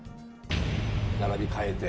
並び替えて